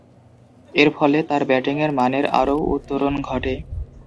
এরফলে, তার ব্যাটিংয়ের মানের আরও উত্তরণ ঘটে।